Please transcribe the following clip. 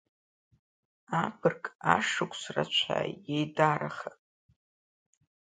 Абырг Ашықәс рацәа еидараха…